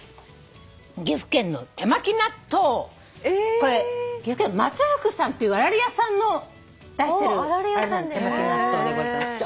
これ岐阜県の松福さんっていうあられ屋さんの出してる手巻納豆でございます。